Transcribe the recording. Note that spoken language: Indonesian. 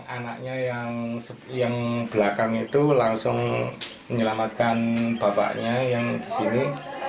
anaknya yang belakang itu langsung menyelamatkan bapaknya yang di sini